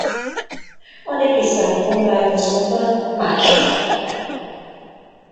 A neki szánt bombát azonban más kapja meg.